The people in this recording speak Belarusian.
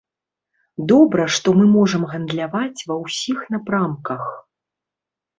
Добра, што мы можам гандляваць ва ўсіх напрамках.